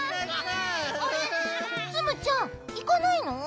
あれっツムちゃんいかないの？